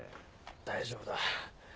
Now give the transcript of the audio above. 大丈夫だ。